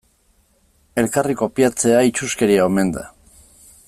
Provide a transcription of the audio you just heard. Elkarri kopiatzea itsuskeria omen da.